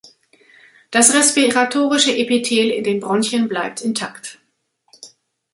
Das respiratorische Epithel in den Bronchien bleibt intakt.